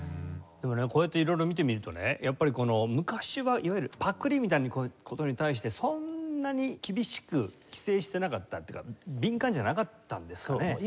でもねこうやって色々見てみるとねやっぱり昔はいわゆるパクリみたいな事に対してそんなに厳しく規制してなかったっていうか敏感じゃなかったんですかね？